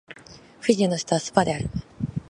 フィジーの首都はスバである